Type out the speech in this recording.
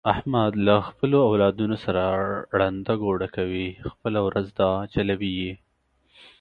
احمد له خپلو اولادونو سره ړنده ګوډه کوي، خپله ورځ ده چلوي یې.